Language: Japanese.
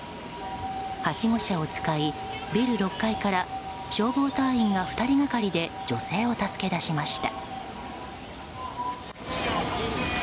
はしご車を使いビル６階から消防隊員が２人がかりで女性を助け出しました。